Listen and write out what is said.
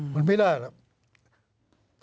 มันไม่ได้แล้ว